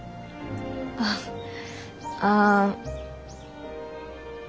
ああああ。